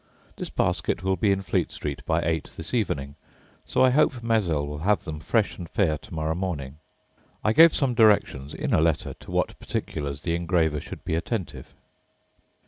This basket will be in Fleet street by eight this evening; so I hope Mazel will have them fresh and fair to morrow morning. I gave some directions, in a letter, to what particulars the engraver should be attentive.